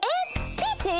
ピーチー？